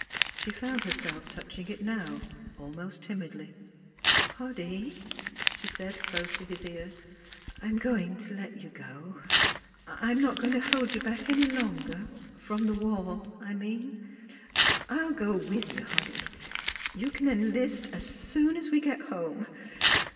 ... She found herself touching it now, almost timidly. " Hoddy," she said, close to his ear, " I I'm going to let you go. I'm not going to hold you back any longer from the war, I mean. ... 346 NEIGHBORS I'll go with you, Hoddy. You can enlist as soon as we get home.